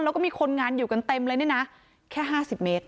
แล้วก็มีคนงานอยู่กันเต็มเลยนะแค่ห้าสิบเมตร